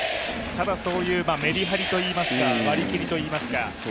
メリハリといいますか、割り切りといいますか。